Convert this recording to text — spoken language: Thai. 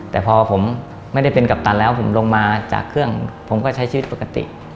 แต่พอผมไม่ได้เป็นกัปตันแล้วผมลงมาจากเครื่องผมก็ใช้ชีวิตปกติ